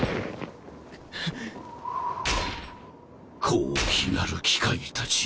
・高貴なる機械たちよ